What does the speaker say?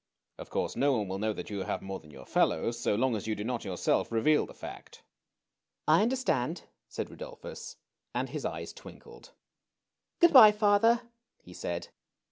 Of course no one will know that you have more than your fellows so long as you do not yourself reveal the fact." I understand," said Rndolphus, and his eyes twinkled. Good by, father," he said.